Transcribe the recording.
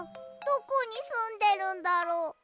どこにすんでるんだろう？